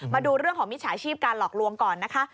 มาดูเรื่องของมิจฉาชีพการหลอกลวงก่อนนะคะ